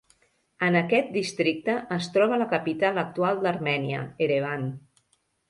En aquest districte es troba la capital actual d'Armènia, Erevan.